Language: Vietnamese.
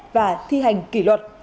và thi hành kỷ luật